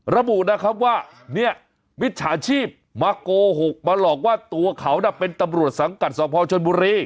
ระบุนะครับว่าเนี่ยมิจฉาชีพมาโกหกมาหลอกว่าตัวเขาน่ะเป็นตำรวจสังกัดสพชนบุรี